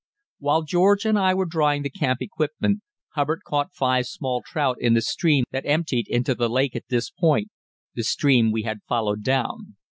While George and I were drying the camp equipment, Hubbard caught five small trout in the stream that emptied into the lake at this point the stream we had followed down.